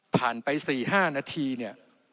ผ่านไป๔๕นาทีเนี่ย